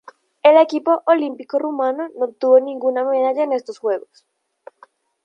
El equipo olímpico rumano no obtuvo ninguna medalla en estos Juegos.